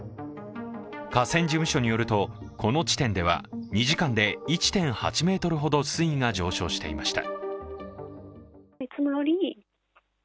河川事務所によると、この地点では２時間で１．８ｍほど水位が上昇していました。